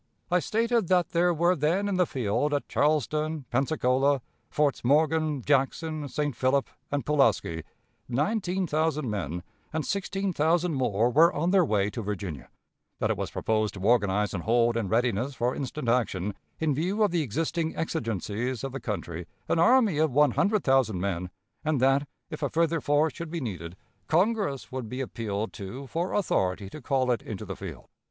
I stated that there were then in the field, at Charleston, Pensacola, Forts Morgan, Jackson, St. Philip, and Pulaski, nineteen thousand men, and sixteen thousand more were on their way to Virginia; that it was proposed to organize and hold in readiness for instant action, in view of the existing exigencies of the country, an army of one hundred thousand men; and that, if a further force should be needed, Congress would be appealed to for authority to call it into the field.